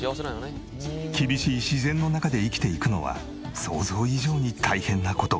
厳しい自然の中で生きていくのは想像以上に大変な事。